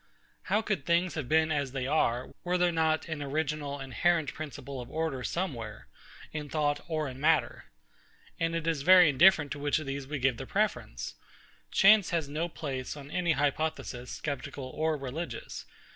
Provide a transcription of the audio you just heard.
How could things have been as they are, were there not an original inherent principle of order somewhere, in thought or in matter? And it is very indifferent to which of these we give the preference. Chance has no place, on any hypothesis, sceptical or religious.